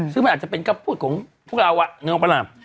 ซึ่งมันอาจจะเป็นคำพูดของพวกเรานึกออกปะล่ะ